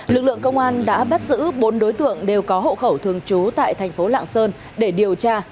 lực lượng công an đã bắt giữ bốn đối tượng đều có hộ khẩu thường trú tại thành phố lạng sơn để điều tra